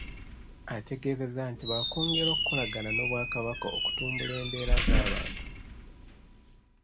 Ategeezezza nti baakwongera okukolagana n’Obwakabaka okutumbula embeera z’abantu.